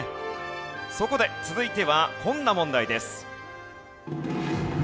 そこで続いてはこんな問題です。